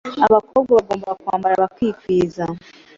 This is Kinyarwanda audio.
abakobwa bagomba kwambara bakikwiza,